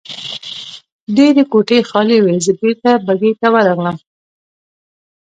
ډېرې کوټې خالي وې، زه بېرته بګۍ ته ورغلم.